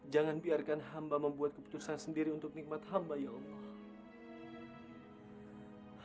jangan biarkan hamba membuat keputusan sendiri untuk nikmat hamba ya allah